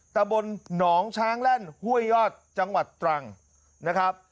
ตะบนหนองช้างแล่นห้วยยอดจังหวัดตรังนะครับ